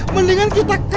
mendingan kita ke